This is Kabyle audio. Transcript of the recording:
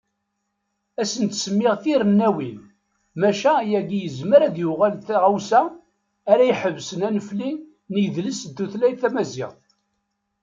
Ad asent-semmiɣ tirennawin, maca ayagi yezmer ad yuɣal d taɣawsa ara iḥebsen anefli n yidles d tutlayt tamaziɣt.